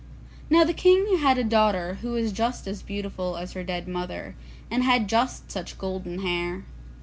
Now, the King had a daughter, who was just as beautiful as her dead mother, and had just such golden hair.